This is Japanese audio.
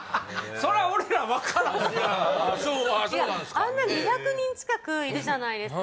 あんな２００人ちかくいるじゃないですか